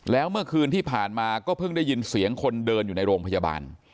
แล้วเมื่อคืนที่ผ่านมาก็เพิ่งได้ยินเสียงคนเดินอยู่ในโรงพยาบาล